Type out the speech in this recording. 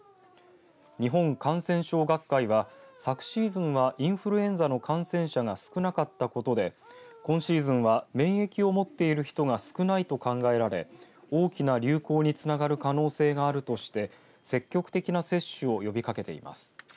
日本感染症学会は昨シーズンはインフルエンザの感染者が少なかったことで今シーズンは免疫を持っている人が少ないと考えられ大きな流行につながる可能性があるとして積極的な接種を呼びかけています。